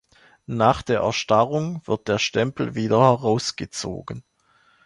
Nach der Erstarrung wird der Stempel wieder herausgezogen.